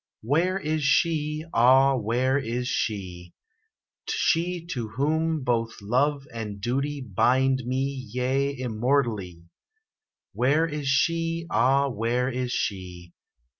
Where is she? ah, where is she? She to whom both love and duty Bind me, yea, immortally. Where is she? ah, where is she?